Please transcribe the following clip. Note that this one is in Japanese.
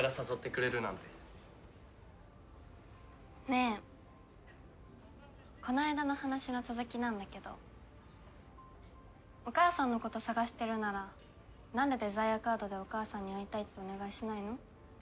ねえこの間の話の続きなんだけどお母さんのこと捜してるならなんでデザイアカードでお母さんに会いたいってお願いしないの？